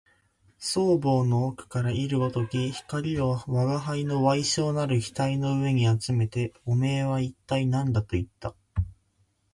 双眸の奥から射るごとき光を吾輩の矮小なる額の上にあつめて、おめえは一体何だと言った